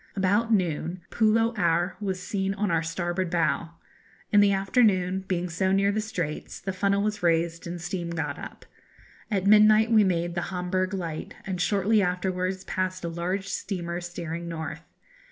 About noon Pulo Aor was seen on our starboard bow. In the afternoon, being so near the Straits, the funnel was raised and steam got up. At midnight we made the Homburgh Light, and shortly afterwards passed a large steamer steering north.